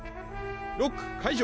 ロック解除！